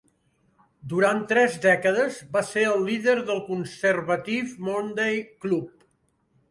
Durant tres dècades va ser el líder del Conservative Monday Club.